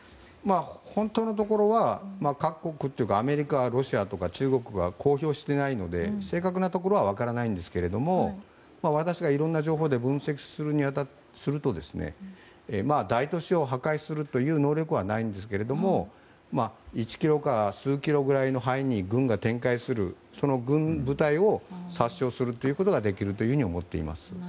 本当のところは各国アメリカ、ロシアとか中国が公表していないので正確なところは分からないんですけども私がいろんな情報で分析をすると大都市を破壊するという能力はないんですけれど１ｋｍから数キロくらいの範囲に軍が展開する、その軍の部隊を殺傷するということはできると思っています。